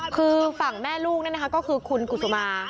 คือฝั่งแม่ลูกนั่นนะคะก็คือคุณกุศุมา